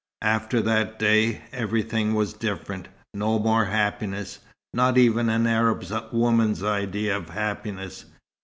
After that day, everything was different. No more happiness not even an Arab woman's idea of happiness.